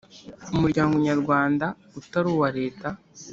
Umuryango nyarwanda utari uwa leta